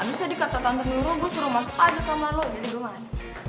abisnya di kata tante nurul gue suruh masuk aja ke kamar lo gitu gue maen